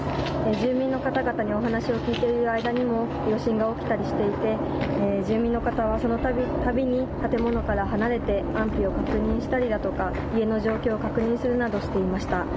住民の方々にお話を聞いている間にも、余震が起きたりしていて、住民の方はそのたびに、建物から離れて、安否を確認したりだとか、家の状況を確認するなどしていました。